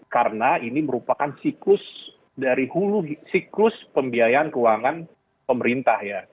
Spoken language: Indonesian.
karena ini merupakan siklus dari hulu siklus pembiayaan keuangan pemerintah ya